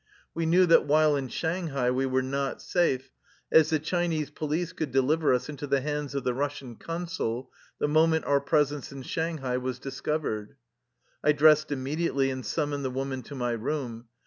We knew that while in Shanghai we were not safe, as the Chinese police could deliver us into the hands of the Eussian Consul the moment our presence in Shanghai was discov ered. I dressed immediately and summoned the woman to my room.